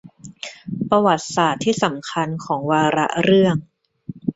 ประวัติศาสตร์ที่สำคัญของวาระเรื่อง